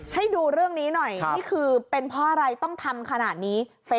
ให้ดูเรื่องนี้หน่อยนี่คือเป็นเพราะอะไรต้องทำขนาดนี้